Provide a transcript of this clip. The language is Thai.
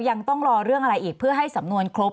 ยังต้องรอเรื่องอะไรอีกเพื่อให้สำนวนครบ